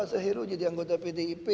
seheru jadi anggota pdip ya